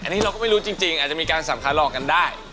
อันนี้เราก็ไม่รู้จริงอาจจะมีการสับขาหลอกกันได้